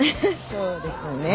そうですね。